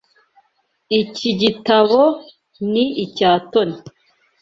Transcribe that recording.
Iki gitabo ni icya Tony.